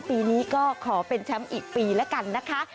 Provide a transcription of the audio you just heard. ปีนี้ก็ขอเป็นแชมป์อีกปีแล้วกันนะคะ